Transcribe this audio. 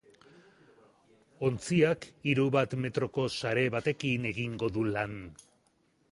Ontziak hiru bat metroko sare batekin egingo du lan.